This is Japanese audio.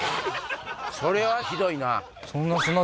それはひどいな。